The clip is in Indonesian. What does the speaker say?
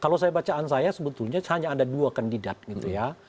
kalau saya bacaan saya sebetulnya hanya ada dua kandidat gitu ya